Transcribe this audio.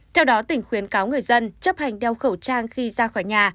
theo đó tỉnh khuyến cáo người dân chấp hành đeo khẩu trang khi ra khỏi nhà